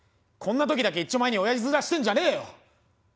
こんな時だけいっちょ前におやじ面してんじゃねえよ！